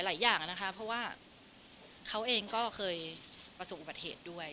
อย่างนะคะเพราะว่าเขาเองก็เคยประสบอุบัติเหตุด้วย